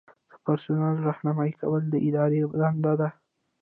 د پرسونل رہنمایي کول د ادارې دنده ده.